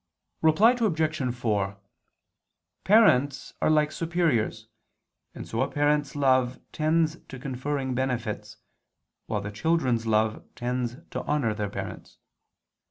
Reply Obj. 4: Parents are like superiors, and so a parent's love tends to conferring benefits, while the children's love tends to honor their parents.